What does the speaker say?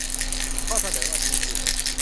ข้อเสนอวันนี้คือ